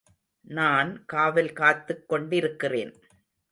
நான் காவல் காத்துக் கொண்டிருக்கிறேன்.